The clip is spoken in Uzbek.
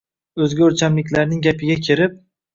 O‘zga o‘lchamliklarning gapiga kirib